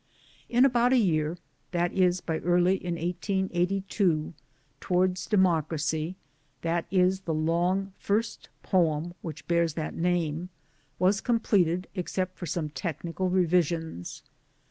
In about a year, that is, by early in 1882, Towards Democracy that is the long first poem which bears that name was completed except for some technical revisions.